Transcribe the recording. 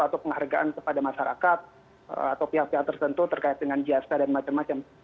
atau penghargaan kepada masyarakat atau pihak pihak tertentu terkait dengan jasa dan macam macam